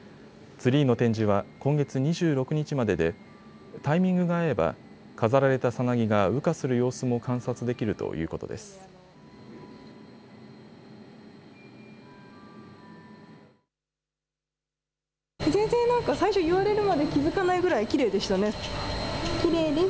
ツリーの展示は今月２６日まででタイミングが合えば飾られたさなぎが羽化する様子も観察できるということです。